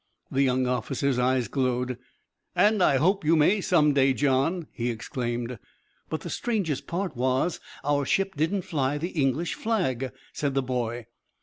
The young officer's eyes glowed. "And I hope you may some day, John!" he exclaimed. "But the strangest part was that our ship didn't fly the English flag," said the boy.